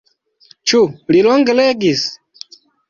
Ĉu li longe legis?